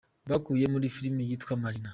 bakuye muri filimi yitwa Marina.